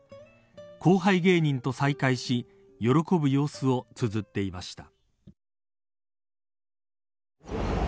後輩芸人と再会し、喜ぶ様子をつづっていました。